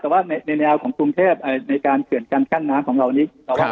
แต่ว่าในแนวของกรุงเทพในการเขื่อนการกั้นน้ำของเรานี้